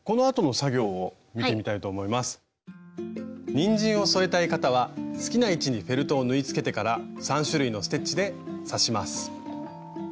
にんじんを添えたい方は好きな位置にフェルトを縫いつけてから３種類のステッチで刺します。